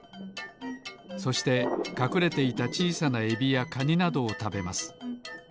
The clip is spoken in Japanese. そしてかくれていたちいさなエビやカニなどをたべます。